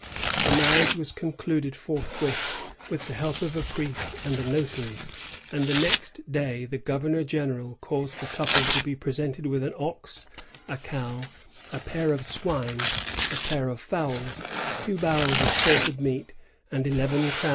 The mar riage was concluded forthwith, with the help of a priest and a notary; and the next day the governor general caused the couple to be presented with an ox, a cow, a pair of swine, a pair of fowls, two barrels of salted meat, and eleven crowns in money."